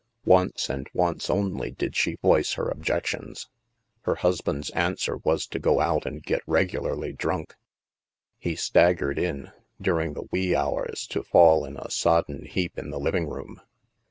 Once and once only did she voice her objections. Her husband's answer was to go out and get reg ularly drunk ; he staggered in, during the wee small hours, to fall in a sodden heap in the living room.